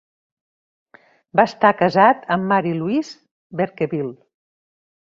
Va estar casat amb Mary Louise Berkebile.